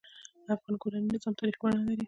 د افغانانو کورنۍ نظام تاریخي بڼه لري.